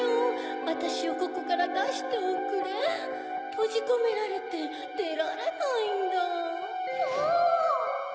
わたしをここからだしておくれ・・とじこめられてでられないんだ・ポ！